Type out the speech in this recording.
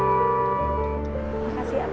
saya nggak pernah lihat